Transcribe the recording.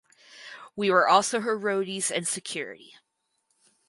We were also her roadies and security.